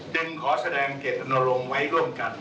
ซึ่งขอแสดงเกษตรงโรงไว้ร่วมกัน